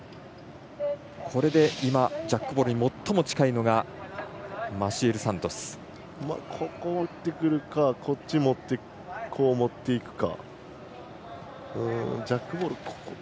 これで今、ジャックボールに最も近いのがここを打ってくるかこっちに持っていくか。